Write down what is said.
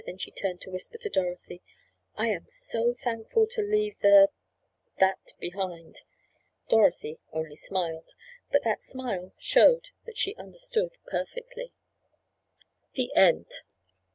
Then she turned to whisper to Dorothy. "I am so thankful to leave the—that behind!" Dorothy only smiled, but that smile showed that she understood perfectly. THE END.